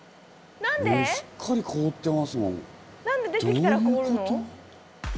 しっかり凍ってますもんどういう事？